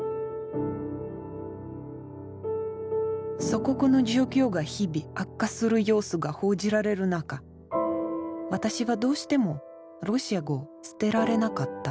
祖国の状況が日々悪化する様子が報じられる中私はどうしてもロシア語を捨てられなかった。